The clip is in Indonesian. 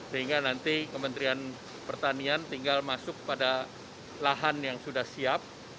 sehingga nanti kementerian pertanian tinggal masuk pada lahan yang sudah siap